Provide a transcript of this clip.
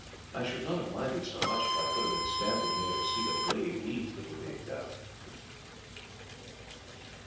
I should not have minded so much if I could have been standing there to see the brave deeds that were being done."